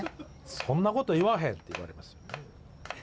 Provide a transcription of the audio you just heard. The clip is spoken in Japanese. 「そんなこと言わへん」って言われますよ。